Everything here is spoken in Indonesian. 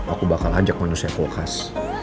aku bakal ajak manusia kulkas